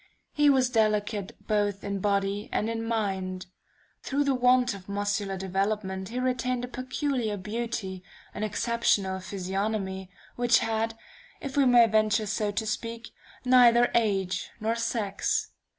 He was delicate both in body and in mind. Through the want of muscular development he retained a peculiar beauty, an exceptional physiognomy, which had, if we may venture so to speak, neither age nor sex.